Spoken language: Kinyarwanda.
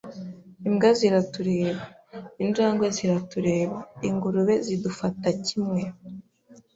Imbwa ziratureba. Injangwe ziratureba. Ingurube zidufata kimwe.